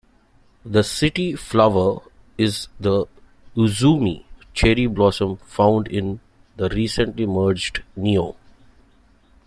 The city flower is the usuzumi cherry blossom found in the recently merged Neo.